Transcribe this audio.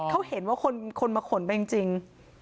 เขาเห็นว่าคนมาขนไปจริง